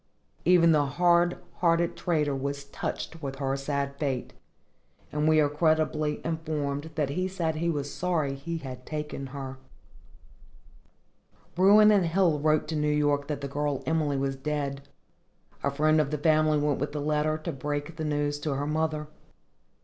Even the hard hearted trader was touched with her sad fate, and we are credibly informed that he said he was sorry he had taken her. Bruin & Hill wrote to New York that the girl Emily was dead. A friend of the family went with the letter, to break the news to her mother.